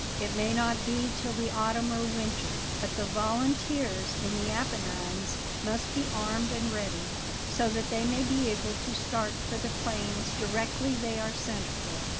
It may not be till the autumn or winter; but the volunteers in the Apennines must be armed and ready, so that they may be able to start for the plains directly they are sent for.